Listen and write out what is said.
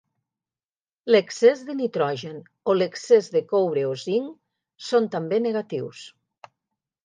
L'excés de nitrogen o l'excés de coure o zinc són també negatius.